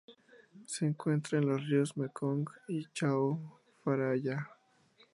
Se encuentra en los ríos Mekong y Chao Phraya.